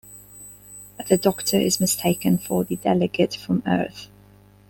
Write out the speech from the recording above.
The Doctor is mistaken for the delegate from Earth.